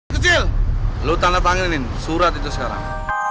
kecil lo tanda panggilinin surat itu sekarang